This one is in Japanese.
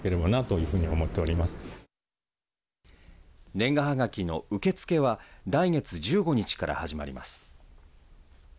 年賀はがきの受け付けは来月１５日から始まります。